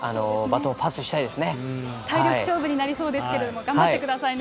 体力勝負になりそうですけれども、頑張ってくださいね。